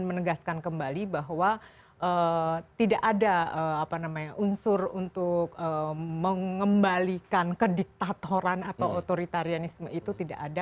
dan menegaskan kembali bahwa tidak ada unsur untuk mengembalikan kediktatoran atau otoritarianisme itu tidak ada